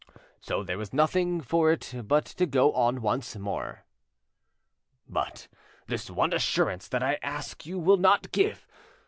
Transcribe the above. So there was nothing for it but to go on once more. "But this one assurance that I ask you will not give.